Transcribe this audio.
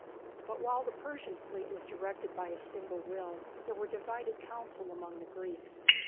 But while the Persian fleet was directed by a single will, there were divided counsels among the Greeks.